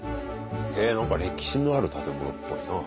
へえなんか歴史のある建物っぽいなあ。